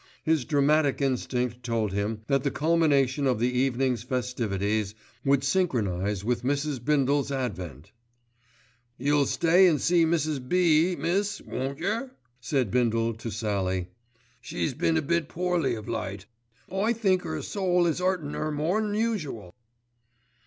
His dramatic instinct told him that the culmination of the evening's festivities would synchronise with Mrs. Bindle's advent. "You'll stay an' see Mrs. B., miss, won't yer," said Bindle to Sallie. "She's been a bit poorly of late. I think 'er soul is 'urtin' 'er more'n usual."